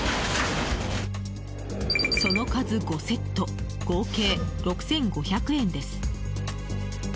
その数、５セット合計６５００円です。